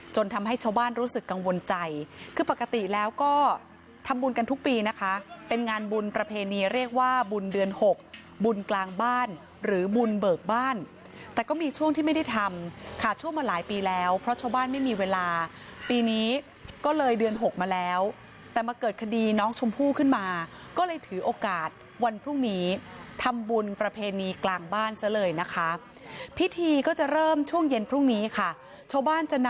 จนทำให้ชาวบ้านรู้สึกกังวลใจคือปกติแล้วก็ทำบุญกันทุกปีนะคะเป็นงานบุญประเพณีเรียกว่าบุญเดือนหกบุญกลางบ้านหรือบุญเบิกบ้านแต่ก็มีช่วงที่ไม่ได้ทำขาดช่วงมาหลายปีแล้วเพราะชาวบ้านไม่มีเวลาปีนี้ก็เลยเดือนหกมาแล้วแต่มาเกิดคดีน้องชมพู่ขึ้นมาก็เลยถือโอกาสวันพรุ่งนี้ทำบ